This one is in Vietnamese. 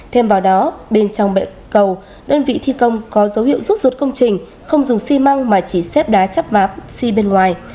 thêm vào đó bên trong bệ cầu đơn vị thi công có dấu hiệu rút rút công trình không dùng xi măng mà chỉ xếp đá chắp vá xi bên ngoài